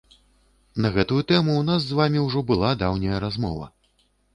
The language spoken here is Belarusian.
На гэтую тэму ў нас з вамі ўжо была даўняя размова.